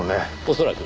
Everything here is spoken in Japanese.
恐らく。